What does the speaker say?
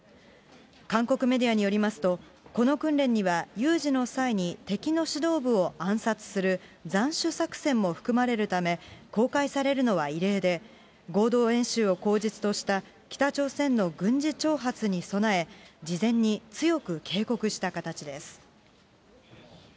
韓国メディアによりますと、この訓練には、有事の際に敵の指導部を暗殺する斬首作戦も含まれるため、公開されるのは異例で、合同演習を口実とした北朝鮮の軍事挑発に備え、事前に強く警告した形です。